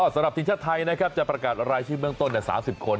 สำหรับธิจัดไทยนะครับจะประกาศรายชีวิตเมืองต้น๓๐คน